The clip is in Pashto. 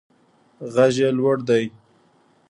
غږ یې لوړ دی.